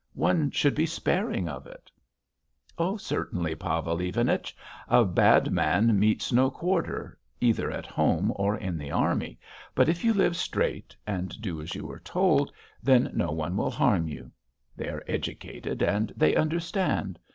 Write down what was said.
One should be sparing of it." "Certainly Pavel Ivanich. A bad man meets no quarter, either at home, or in the army, but if you live straight, and do as you are told, then no one will harm you. They are educated and they understand....